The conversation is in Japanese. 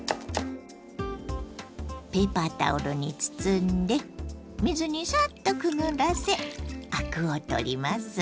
ペーパータオルに包んで水にサッとくぐらせアクを取ります。